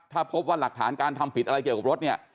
ถ้าพบว่าหลักฐานการทำผิดอะไรเกี่ยวกับรถเนี่ย